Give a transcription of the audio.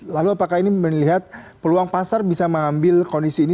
lalu apakah ini melihat peluang pasar bisa mengambil kondisi ini